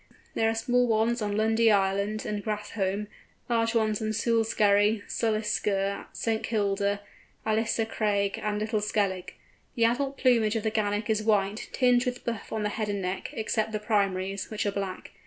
There are small ones on Lundy Island and Grassholm; large ones on Suleskerry, Sulisker, St. Kilda, Ailsa Craig, and Little Skellig. The adult plumage of the Gannet is white, tinged with buff on the head and neck, except the primaries, which are black.